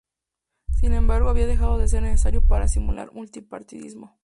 Sin embargo, había dejado de ser necesario para simular multipartidismo.